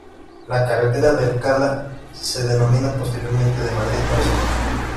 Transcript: La carretera de Alcalá se denomina posteriormente de Madrid-Barcelona.